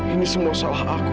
ini semua salah aku